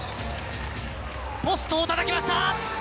ポストをたたきました。